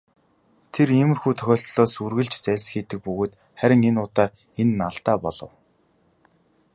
Тэр иймэрхүү тохиолдлоос үргэлж зайлсхийдэг бөгөөд харин энэ удаа энэ нь алдаа болов.